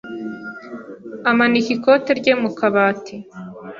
amanika ikote rye mu kabati.